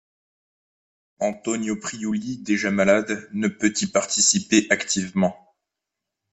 Antonio Priuli, déjà malade, ne peut y participer activement.